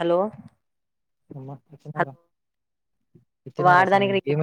Hello ఏం ఎట్లున్నావ్ రా వాడదానికి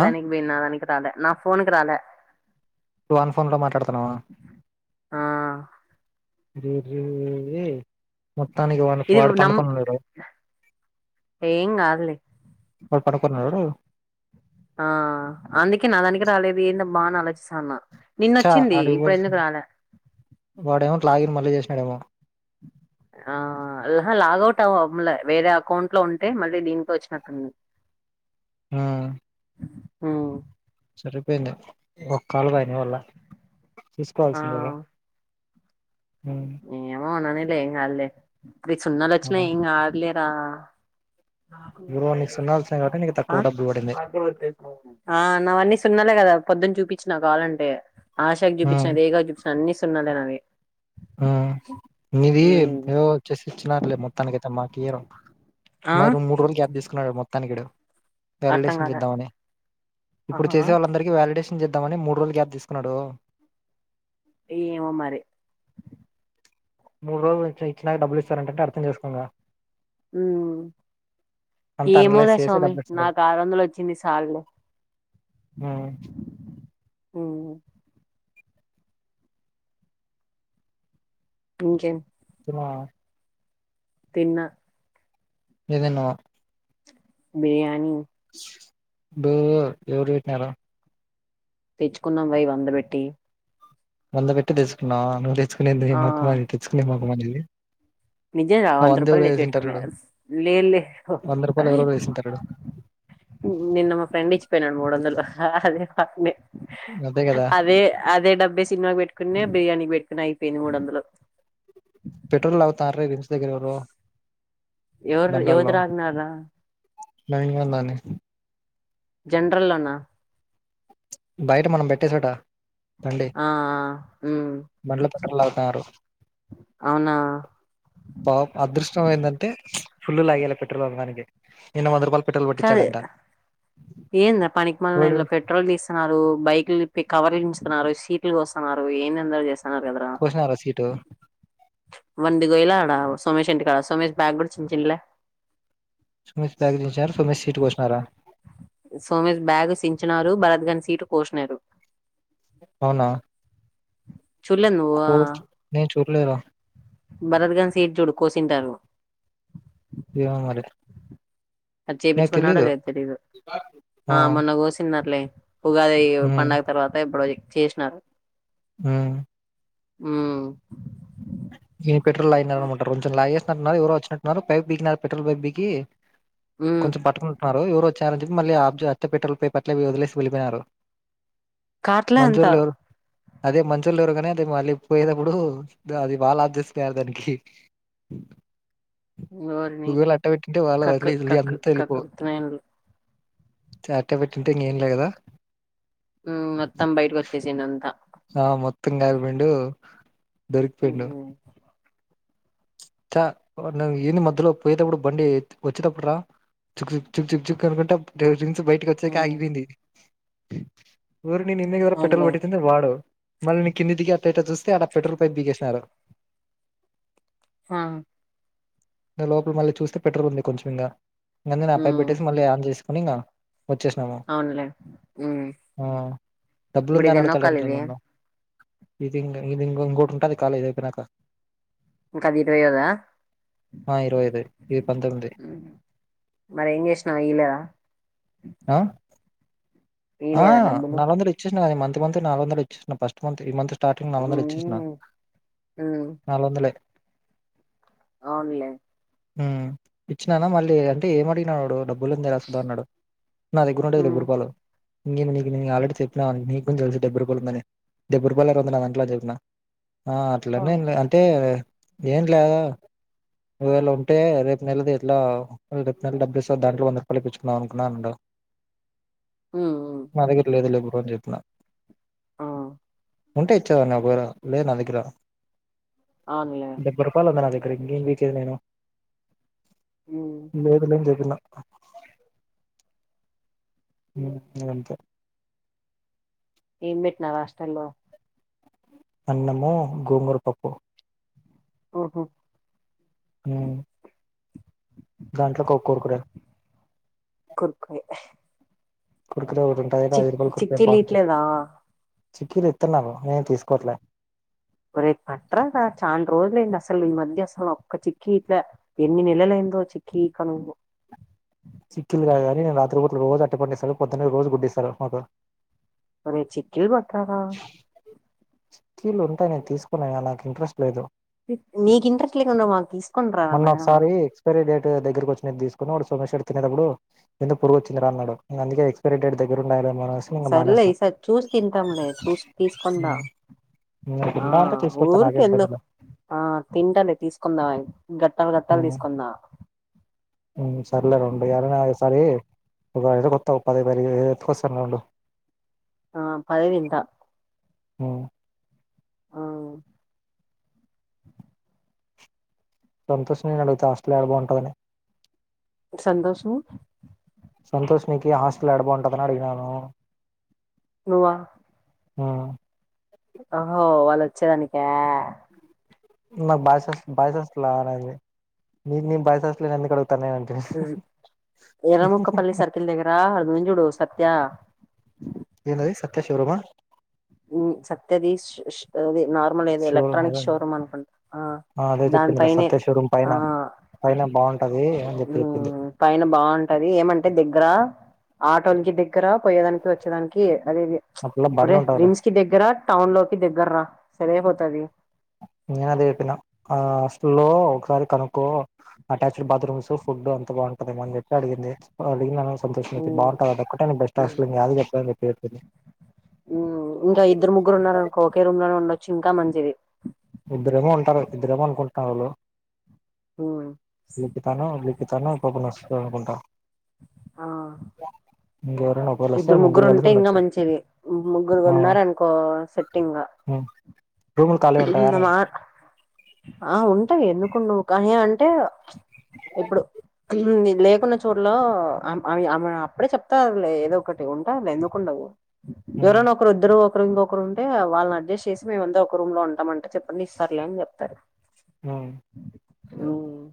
ఆ భిన్న దానికి రాలె నా ఫోన్ కి రాలె నువ్వు వన్ ఫోన్ లో మాట్లాడుతున్నావా ఆ [unintelligible] మొత్తానికి వాడు ఇది వాడు నమ్ పండుకొనిన్నాడూ ఏం కాదులే వాడు పడుకున్నాడు ఆ అందుకే నా దానికి రాలేదు ఏందీ అబ్బ అని ఆలోచిస్తాన్న ఛ నిన్నొచ్చింది ఇప్పుడు ఎందుకు ఆడివ్వాల్సింది రాలే వాడేమో లాగిన్ మళ్ళీ చేశినాడేమో ఆ అహ లాగౌట్ అవ్ అవల వేరే అకౌంట్ లో ఉంటే మళ్ళీ దీంకి వచ్చినట్టుంది ఆ హ్మ్ సరిపోయింది ఒ కాళ్ళు కాయినయ్ వల్ల ఆ తీసుకోవాల్సింది గదా మ్ లె అల్లె ఏం కాదులే సున్నలొచ్చిన ఏం గాద్లేరా బ్రో నీకు సున్నా వచ్చినాయి కాబట్టి నీకు తక్కువ అహ్ డబ్బులు పడింది నావాన్ని సున్నాలే గద పొద్దున్ చూపిచిన కావాలంటే ఆశాకి ఉమ్ చూపిచిన రేఖకి చూపిచిన అన్ని సున్నాలే నావి మ్ మిది మ్మ్ ఏవో వచ్చేసి ఇచ్చినర్లే మొత్తానికైతే మాకియరు ఆ మరి మూడ్రోజు లు గ్యాప్ తీసుకున్నాడు మొత్తానికి ఇడు అర్థం వాలిడేషన్ కాలే చెద్దామని ఇప్పుడు ఆహా చేసే వాళ్ళందరికి వాలిడేషన్ న్ చేద్దామని మూడు రోజులు గ్యాప్ తీసుకున్నడు ఏమో మరి మూడు రోజులు ఇచ్చి ఇచ్చినాక డబ్బులు ఇస్తారంటంటే అర్థం చేసుకో ఇంగా మ్ అంత ఏమో అనలైజ్ లె చేసి స్వామి డబ్బులు ఇస్తారు నాకు ఆరు వందలు వచ్చింది సాల్లె మ్ ఉమ్ ఇంకేం తిన్నవా తిన్న ఎన్ దిన్నావా బిర్యానీ అబ్బో ఎవరు పెట్టినారు తెచ్చుకున్నాం వై వందబెట్టి వంద పెట్టి తెచ్చుకున్నావా నువ్వు తెచ్చుకునేది ఆ మొకమా ని తెచ్చుకునే మొకమా నీది నిజం రా వంద రూపాయిలు తెచ్చివెట్టుకున్న లే లే వంద రూపాయలు ఎవరెవరో వేసింటారు నిన్న మా ఫ్రెండ్ ఇచ్చిపోయినడు మూడోందలు అదే హక్ నె అదే కదా అదే అదే డబ్బే సినిమా పెట్టుకున్నె బిర్యానీ పెట్టుకున్న అయి ఇ మూడోందలు రె నిమ్స్ దెగ్గరెవరు ఎవరు ఎవద్రి రాన్నారా నవీన్ గాంది అన్నె జనరల్ల్లోనా బయట మనం బెట్టే సొటా బండి ఆ ఉమ్ బండ్ల పెట్రోల్ లాగుతాన్నారు అవునా పాప్ అదృష్టం ఏందంటే ఫుల్ల్ లాగేయాలి పెట్రోల్ కొట్టడానికి నిన్న వంద రూపాయల్ పెట్రోల్ కొట్టిచాడంట ఏందా పనికి మలిన్ దంట్ల పెట్రోల్ తీస్తున్నారు బైక్లు ఇప్పి కవర్లు చించుతున్నారు సీట్లు కొస్తున్నారు ఏందేందో చేస్ కోసినారా సీటు మంది గొయ్లె ఆడా సోమేశ్ ఇంటి కాడా సోమేశ్ బ్యాగ్ గూడా చించిండ్లే సుమేష్ బ్యాగ్ తీసినారు సుమేష్ సీటు కోసినారా సోమేశ్ బ్యాగు సించినారు బరత్గాని సీటు కోశినారు అవునా చుల్లెద్ నువ్వ కోచ్ నేను చూడలేరా భరత్ గాని సీట్ చూడు కోసింటారు ఏమో మరి అది చేపిచుకున్నాడొ లేదో తెలీదు ఆ మొన్న కోసిన్నారులె ఉగాది ఉమ్ పండగ తర్వాత ఎప్పుడొ చేశినారు హ్మ్ మ్ ని పెట్రోల్ లాగినరానమాట కొంచెం లాగేసినట్టున్నారు ఎవరొ వచ్చినట్టున్నారు పైప్ పికినారు పెట్రోల్ పైప్ బికీ మ్మ్ కొంచం పటుకున్ న్నరు ఎవరొ ఒచ్చారని చెప్పి మళ్ళీ ఆఫ్ చెయ్ పెట్రోల్ పైప్ అట్లనే వదిలేసి వెళిపోయినారు కాట్లా అంత అదే మంచొలెవరో గానీ అదె మళ్ళీ పోయేదప్పుడు అది వాళ్ళదురస్తారు దానికి ఓరిని ఒకవేళ అట్ట వెట్టుంటే వాళ్ళ కక్కు లి కక్కు అంత ఎళ్ళిపో కక్కుర్తినాయన్లు తె అట్టా వెట్టింటే ఇంగెం లే గదా మ్ మొత్తం బయటకు ఒచ్చేసిందంతా హ మొత్తం గాల్పెండు దొరికి పోయిండు మ్మ్ ఛ ను ఏంది మధ్యలో పోయేటప్పుడు బండి త్ వచ్చేటప్పుడు రా చుక్ చుక్ చుక్ చుక్ చుక్ కనుకుంటా డ్రైవింగ్ చ్ బయటికి వచ్చాక మ్మ్ ఆగిపోయింది ఓరిని నిన్నె గదర పెట్రోల్ అవునులే బట్టించింది వాడు మళ్ళీ నీ కింది దిగీ అటెటో చూస్తే అడ పెట్రోల్ పైపు పికేసినారు హా లోపల మళ్ళీ చూస్తే పెట్రోల్ ఉంది కొంచెం ఇంగా నన్నే నా పైప్ మ్మ్ పెట్టేసి మళ్ళీ ఆన్ చేస్ పోనింగా వచ్చేసినాము అవునులే మ్మ్ ఆహ్ డబ్బులు ఇప్పుడు ఉందా ఇది అని ఎన్నో కాల్ అడుతాలంట ఇది నన్ను ఇది ఇంగ్ ఇది ఇంగొ ఇంకోటి ఉంటది కాలేజ్ ఐపోయినాక ఇంకా అది ఇరవైయోదా ఆ ఇరవైదె ఐదు పంతొమ్మిది మరెం చేశినావ్ ఇయ్యలేదా అహ్ ఇయ్యలేదా ఆహ్ డబ్బులు నాలుగొందలు ఇచ్చేశినా నాదీ మన్ ప్రతి మంత్ నాలుగొందలు ఇచ్చేశిన ఫస్ట్ మంత్ ఈ మంత్ స్టార్టింగ్ నాలుగొందలు ఇచ్చేశిన మ్మ్ నాలుగుగొందలే ఆవున్లే మ్ ఇచ్చినానా మళ్ళీ అంటే ఏమడిగినాడు డబ్బులందా రాసుదా అన్నడు నా దెగ్గరుంటయ్ డెబ్భై మ్మ్ రుపాయిలు ఇంకేమి నీకి నేను ఆల్రెడీ చెప్పినా నీకు గూడ తెలుసు డెబ్భై రూపాయలు ఉందని డెబ్భై రూపాయలన్నర నాదంట్ల అని జేప్పిన ఆహ్ అట్లనే ఎన్లె అంటే ఏం ల ఒకవేళ ఉంటే రేపు నెలది ఎట్లా రేపు నెల డబ్బిస్తా దాంట్లో వంద రూపాయలు ఇప్పిచుకుందాం అనుకు న్నపుడు మ్మ్ మ్మ్ మా దగ్గర లేదు లే బ్రో అని జేప్పినా ఆ ఉంటే ఇచ్చేదన్న వేరు లేదు నా దెగ్గర అవునులే డెబ్బై రూపాయలు ఉందనా రింగింగేచేదనెను పోతలే అని జెప్పినా మ్ అదంతే ఏం పెట్నారు హాస్టల్ ల్లొ అన్నము గోంగూరపప్పు ఒహో మ్ గంట్లకో కోరుకురే కురుకురే కురే తింటారు చి ఐదు రూపాయిల కురుకురే చిక్కీలు బావుంటది ఇట్లేదా చిక్కిలు ఇతన్నారు నేను తీసుకోట్లే ఒరేయ్ పట్ట్ర్ ర్ద చాన్ రోజులైంది అసలు ఈ మధ్య అసలు ఒక్క చిక్కి ఇట్ల ఎన్ని నెలలై దొ చిక్కిక నువ్వు చిక్కిలు కాదు గనీ నేను రాత్రిపుటలు రోజు అర్టి పండిస్తాడు పొద్దున్నె రోజు గుడ్డిస్తాడు మాకు ఒరేయ్ చిక్కి బట్రారా చిక్కిలుంటయ్ నేను తీసుకున్నా గని నాకు ఇంట్రెస్ట్ లేదు హుమ్ నీక్ ఇంట్రెస్ట్ లేకుండ మాక్ తీసుకొని మొన్న రానా ఒకసారి ఎక్స్పైరీ డేట్ దగ్గరకు వచ్చి నేను తీసుకున్నాడు సోమేశ్వర్ తినెటప్పుడు ఎందుక్ పురుగొచ్చిందిరా అన్నాడు. ఇంగ అందుకె ఎక్స్పైరీ డేట్ దగ్గర ఉండాలె సర్లే ఈ సారి చూసి తింటాం లే చూస్ తీసుకుందా నాకు ఆ ఉందా అంటే తీసుకొత్తా నాకేం ఊర్కేళ్ళు ఇబ్బంది లే ఆ తింటలే తీసుకుందాం గట్ ట్టల్ గట్టల్ హ్మ్ తీసుకున్నా ఒకైదు వాత పది పదిహైదు ఎకొస్తానుండు ఆ పైదింట ఆ ఆ సంతోష్ నే అడుగుతా హాస్ట్లా ఆడ బాగుంటదని సంతోషము సంతోష్ నీకి హాస్టలాడ బావుంటదని అడిగినాను నువ్వా? ఆ ఒహో వాళ్ళొచ్చేదానికా? నాకు బాయ్స్ హాస్ బాయ్స్ హాస్ట్లా నాది మీ మీ బాయ్స్ హాస్ట్లనే ఎందుకు అడుగుత్ కన్నేయంటె హు హు హు ఎర్రముక్కపల్లి సర్కిల్ దగ్గర అడుంది చూడు సత్య కే గాయ్స్ సత్యా షోరూమ మ్ సత్య దీష్ ఉష్ అదె నార్మల్ ఏదో షోరూమ్ ఎలక్ట్రానిక్ అదే షోరూమ్ అనుకుంట ఆ అదే చెప్పిందిలే దానిపైనే సత్య షోరూమ్ పైన ఆ పైన బాగుంటది అని చెప్పి చెప్పింది ఉమ్మ్ పైన బావుంటది ఏ మంటె దగ్గరా ఆటోన్కి దగ్గర పోయేదానికి వచ్చేదానికి అదెదె ఆ పిల్ల చుప్ బండి అదే ఉంటదిలే నిమ్స్ కి దెగ్గర టౌన్ లోకి దెగ్గర్ర సరైపోతది. అ నేను అదే చెప్పిన ఆ హాస్టల్లో ఒకసారి కనుక్కో అటాచ్డ్ బాత్రూమ్స్, ఫుడ్ అంత బా అంటదేమో అని జెప్పి అడిగింది. ఆ లిమా వాయిస్ [unintelligible] సంతోష్ నాతో బాగుంట అదొక్కటె నే బెస్ట్ ఆప్షన్ గాదు చెప్పా అని జెప్పి చెప్పింది. ఉమ్ ఇంక ఇద్దరు ముగ్గురు ఉన్నారన్కో ఒకే రూమ్ లోనే ఉండొచ్చు ఇంకా మంచిది ఇద్దరేమో ఉంటరు ఇద్దరేమో అనుకొని కాలో [unintelligible] దీపికా నో రితికా నో ఇంకొకరు అస్తరనుకుంట ఆ ఇంకెవరైనా ఒకవేళ వస్తే ఇద్దరు ముగ్గురు కలిసి ముగ్గురుంటె ఇంగా ఉండొచ్చు మంచిది ముగ్గురుగున్నారన్కో సెట్ ఇంగ ఉమ్ రూము కాలిగుంట ఇంగొ మా ఆ ఉంటయి ఎందుకుండవు కానీ అంటే చుప్ ఇప్పుడు మేం లేకున్న చుడ్లో అం అం ఆమే అప్పుడే చెప్తారు లే ఏదో ఒక్ ఒకటి ఉంటాంది ఎందుకుండవు ఉమ్ ఎవరైనా ఒకరిద్దరూ ఒకరింగొకరుంటే వాళ్ళన్నడ్జెస్ట్ చేసి మేముమంతా ఒక రూమ్ లో ఉంటామంటే చెప్పండి ఇస్తారులే అని చెప్తరు. ఆ ఉమ్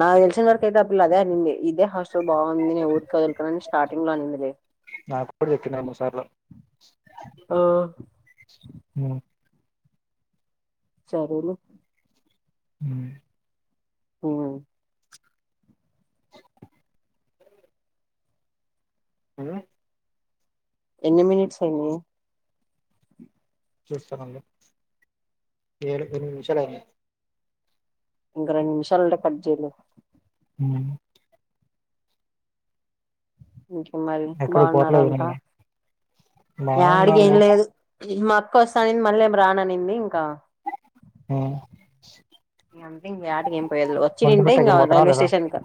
నాకు తెల్సిన వరకైతే ఆ పిల్లా అదే అనింది ఇదే హాస్ట్ సో బాగుంది ఊర్కే ఇర్కరనష్ నాకు కూడా తిన్న రెండు, మూడు సార్లు ఆ చబోడు ఉమ్మ్ ఉమ్ ఏ ఎన్ని మినిట్స్ ఐంది చూస్తాన ఉండు ఏడు, ఎన్మిది నిమిషాలు ఐంది ఇంగ రెం నిమిషాలుంటే కట్ జేయలొ ఉమ్ ఇంకేంమరి ఎక్కడ పోట్లే బాగున్నారంతా ఏమైంది బాగున్నారు యాడికేంలేదు ఉమా కొస్సానింది మళ్ళేం రాననింది ఇంకా హు ఇగంతిం యాటికేం పోయేట్లో వచ్చిండుంటే ఒంటిమిట్టకి ఇంకా పోతున్నావా రైల్వే లేదా స్టేషన్ క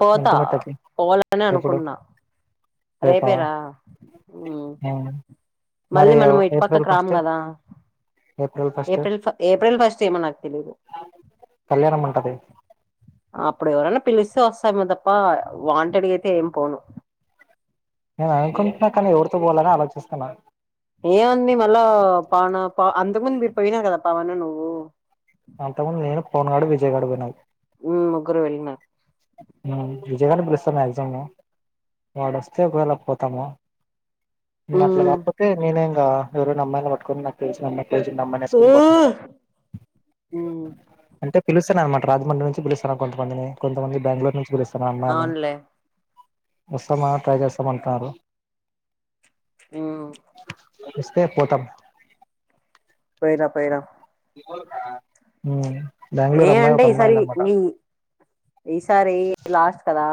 పోతా ఒంటిమిట్టకి పోవాలనే ఎప్పుడు అనుకున్నా రేపా రేపే రా ఉమ్ మరి మళ్ళీ మనము ఇటు ఏప్రిల్ పక్కకు రామ్ ఫస్ట్ గదా ఏప్రిల్ ఫ ఏప్రిల్ ఫస్ట్ ఏమో నాక్ తెలీదు. కళ్యాణం ఉంటది అప్పుడు ఎవరైనా పిలిస్తే వొస్తాం గదప్ప వాంటెడ్ గ అయితే ఏం పోను నేను అనుకుంట్నా కానీ ఎవరితో పోవాలని ఆలోచిస్తున్నా. ఏముంది మళ్ళా పవన ప అంతకు ముందు మీరు పోయినర్ గదా పవన నువ్వు జయగడుగునవ్ ఉ ముగ్గురు వెళ్ళిన ఉమ్ విజయ్ గాన్ని పిలుస్తా మాక్సిమము వాడొస్తే ఒకవేళ పోతాము. అట్లా కాకపోతే నేనే ఇంగ ఎవరైనా అమ్మాయిల్ని పట్టుకొని నాకు తెలిసిన అమ్మాయ్ తెలిసినమ్మైని ఏసుకుని పోతా అంటే పిలిస్ అనమాట రాజమండ్రి నుంచి పిలుస్తరు. కొంతమందిని కొంతమంది బెంగళూరు నుంచి పిలుస్తన అమ్మాయిల్ని అవునులే వస్తమా ట్రై చేస్తము అంటారు. మ్ ఇస్తే పోతాం పోయిరా పోయిరా ఉరికా ఉ ఏ అంటే ఈసారి మీ ఈసారి లాస్ట్ కదా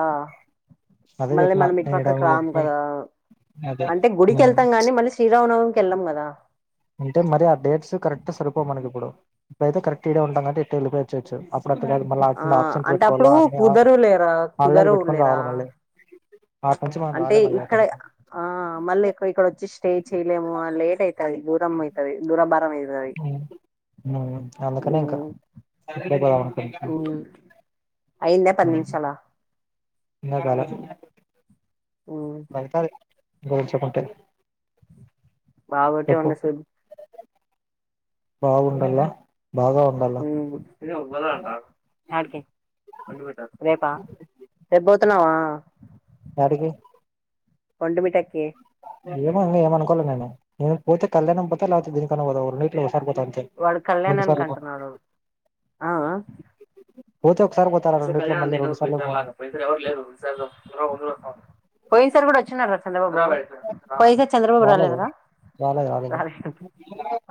అదే మళ్ళీ చెప్పిన మనం ఏడ ఇటుపక్క కి రాము కదా అదే అంటే గుడికి ఉమ్, ఎళ్తాం గాని, మళ్ళీ శ్రీరామనవమి కి వెళ్ళం గదా. అంటే మరి ఆ డేట్స్ కరెక్ట్ సరిపోవు మనకి ఇప్పుడు ఇప్పుడైతే కరెక్ట్ ఈడే ఉంటాం కాబట్టి ఇట్టే వెళ్ళిపోవొచ్చు. ప్పుడ [unintelligible] మళ్ళీ అ ఆ ఆబ్సెంట్ ఆబ్సెంట్ అంటే పెట్టుకోవాల్ల అప్పుడు అ కుదరు లేరా ఆన్లైన్ కుదరవు పెట్టుకొని లేరా రావాలి మళ్ళీ అటు నుంచి మనం అంటే రాలేము అయ్యా ఇక్కడ ఆ మళ్ళీ ఇక్కడ ఇక్కడ వొచ్చి స్టే చెయలేము లేట్ అయిత్ ది దూరం అయితది దూరం భారం మయితది అందుకనే ఇంకా రేపు బోదాం అనుకుంటున్న అయింద పది నిమిషాల ఇంగ కాలే ఉమ్ అయితది గోచుకుంటే బాగ పెట్టేవా మెసేజ్ బాగుండల్ల యాడికి రేపా రేపు పోతున్నావా యాడికి పండు మిఠాయ్ ఏమో ఇంగ ఏమనుకోలే నేను. నేను పోతే కళ్యాణం పోతా లేతే గురికి అన్న పోత ఓ రెండిట్లో పోతా అంతే వాడు కళ్యాణానికి అంటున్నాడు [unintelligible] పోతారా ఈసార్ రెండిట్లో కళ్యాణం మళ్ళీ [unintelligible] రెండు సార్లు పోయినసారి పోను లాగా పోయినసారి ఎవరు లేరు [unintelligible] పోయిన్ సార్ గూడ వొచ్చినర్రా చంద్ర బాబు పోయిన సారి చంద్రబాబు రాలేద రాలేదు రాలేదు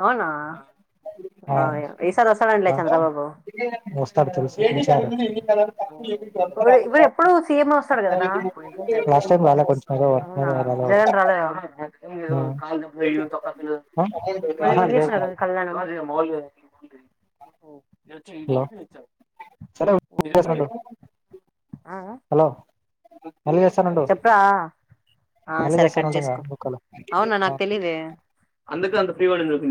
అవునా ఆ ఈసారి వొస్తాడ అంట్లే చంద్రబాబు వస్తాడు తెలుసు పిలిచారు ఇప్పుడ ఎప్పుడు సిఎం ఎ వొస్తాడు గదా రా లాస్ట్ టైం రాలే కొంచెం ఏదో వర్క్ మీద ఆ రాలే వాడు జగన్ రాలె ఆ ద మరి మరి ఆహా ఎవరు లేదు చేస్తున్నరు ఇప్పుడు పెల్లయినోళ్లు హలో [unintelligible] ఆ, హలో మళ్ళీ చేస్తాను ఉండు చెప్పరా ఆ సరే కట్ చేసుకో అవునా ఆ నాకు తెలిదే అందుకే అంత ఫ్రీగా ఉండదుచెపింది